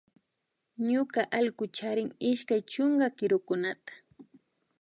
Ñuka allku charin ishkay chunka kirukunata